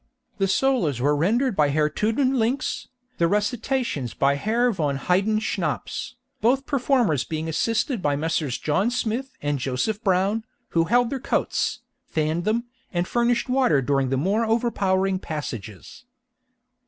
The solos were rendered by Herr Tuden Links, the recitations by Herr Von Hyden Schnapps, both performers being assisted by Messrs. John Smith and Joseph Brown, who held their coats, fanned them, and furnished water during the more overpowering passages.